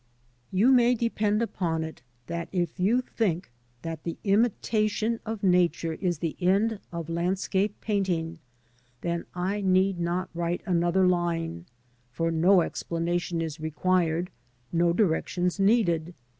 You may depend upon it that if you think that the imitation of Nature is the end of landscape painting, then I need not write another line, for no explanation is required, no directions needed.